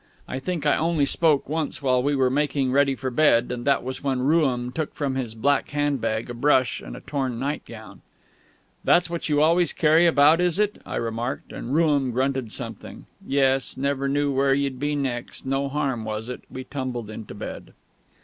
I think I only spoke once while we were making ready for bed, and that was when Rooum took from his black hand bag a brush and a torn nightgown. "That's what you always carry about, is it?" I remarked; and Rooum grunted something: Yes ... never knew where you'd be next ... no harm, was it? We tumbled into bed.